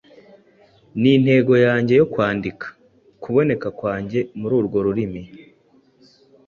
Ni intego yanjye yo kwandika. kuboneka kwanjye mururwo rurimi,